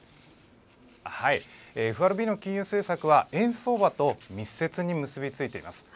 ＦＲＢの金融政策は円相場と密接に結び付いています。